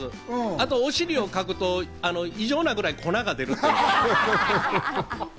あと、お尻をかくと異様なくらい粉が出ます。